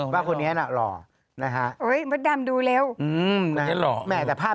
ว่าคนนี้น่ะหล่อนะฮะโอ้ยมัดดำดูเร็วอืมแม่แต่ภาพ